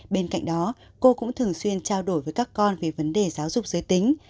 bên cạnh đó cô cũng thường xuyên trao đổi với các con về vấn đề giáo dục giới tính